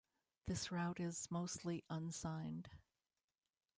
This route is mostly unsigned.